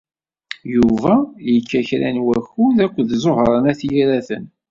Yuba yekka kra n wakud akked Ẓuhṛa n At Yiraten.